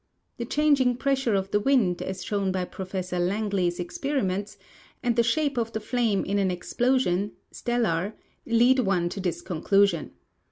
The changing pressure of the wind, as shown b^^ Professor Lang ley's experiments, and the shape of the flame in an explosion (stellar) lead one to this conclusion.